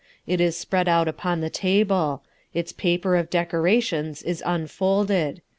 It is spread out upon the table. Its paper of directions is unfolded.